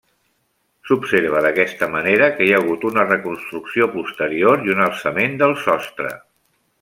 S'observa d'aquesta manera que hi ha hagut una reconstrucció posterior i un alçament del sostre.